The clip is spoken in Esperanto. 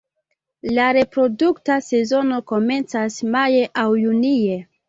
La reprodukta sezono komencas maje aŭ junie.